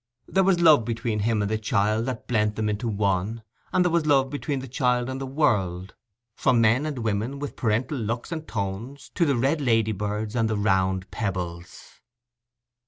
There was love between him and the child that blent them into one, and there was love between the child and the world—from men and women with parental looks and tones, to the red lady birds and the round pebbles.